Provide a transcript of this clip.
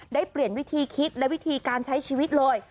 ได้เปลี่ยนวิธีคิดและวิธีการใช้ชีวิตเลย